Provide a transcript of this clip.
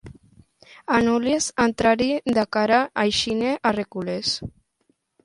A Nules, entra-hi de cara i ix-ne a recules.